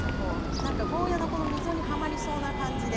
なんかゴーヤーのこの溝にはまりそうな感じで。